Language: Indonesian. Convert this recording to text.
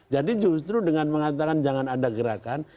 jadi justru dengan mengatakan jangan ada gerakan